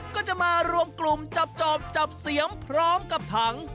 ก็จะมารวมกลุ่มจับจอบจับเสียมพร้อมกับถัง